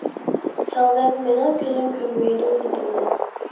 -سىڭلىم، مېنىڭ كۆزۈم كۆرمەيدۇ، -دېدىم مەن.